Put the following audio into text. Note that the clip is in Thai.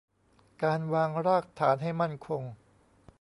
การวางรากฐานให้มั่นคง